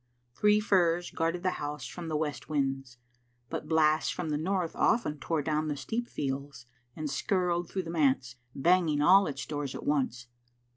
Three firs guarded the house from west winds, but blasts from the north often tore down the steep fields and skirled through the manse, banging all its doors at once.